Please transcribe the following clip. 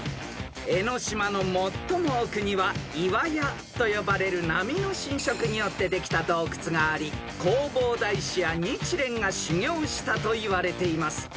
［江の島の最も奥には岩屋と呼ばれる波の浸食によってできた洞窟があり弘法大師や日蓮が修行したといわれています］